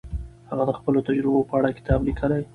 هغه د خپلو تجربو په اړه کتاب لیکلی.